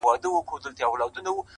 o اوس مي لا په هر رگ كي خـوره نـــه ده.